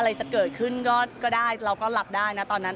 อะไรจะเกิดขึ้นก็ได้เราก็หลับได้นะตอนนั้น